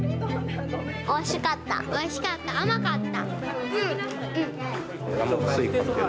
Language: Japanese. おいしかった、甘かった。